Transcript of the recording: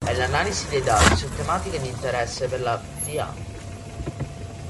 E l'analisi dei dati su tematiche di interesse per la PA.